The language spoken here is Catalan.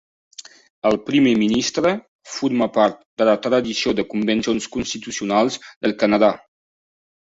El primer ministre forma part de la tradició de convencions constitucionals del Canadà.